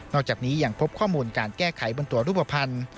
อกจากนี้ยังพบข้อมูลการแก้ไขบนตัวรูปภัณฑ์